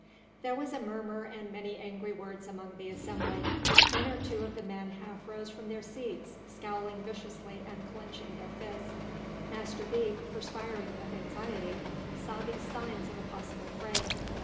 There was a murmur and many angry words among the assembly. One or two of the men half rose from their seats, scowling viciously and clenching their fists. Master Beek perspiring with anxiety saw these signs of a possible fray.